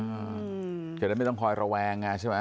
อืมเห็นแล้วไม่ต้องคอยระวังนะใช่ไหม